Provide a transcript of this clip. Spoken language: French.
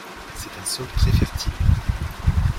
C'est un sol très fertile.